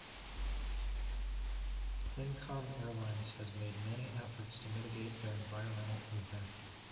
Finncomm Airlines has made many efforts to mitigate their environmental impact.